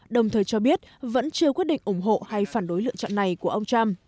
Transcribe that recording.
đồng thời cho biết vẫn chưa quyết định ủng hộ hay phản đối lựa chọn này của ông trump